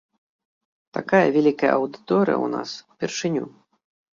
Такая вялікая аўдыторыя ў нас упершыню.